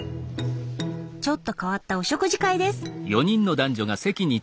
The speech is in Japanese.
ちょっと変わったお食事会です。